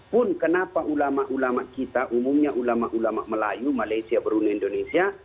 pun kenapa ulama ulama kita umumnya ulama ulama melayu malaysia brune indonesia